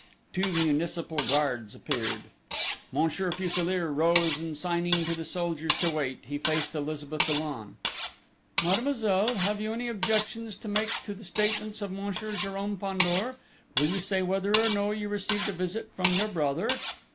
Two municipal guards appeared. Monsieur Fuselier rose and signing to the soldiers to wait, he faced Elizabeth Dollon. "Mademoiselle, have you any objections to make to the statements of Monsieur Jérôme Fandor? Will you say whether or no you received a visit from your brother?"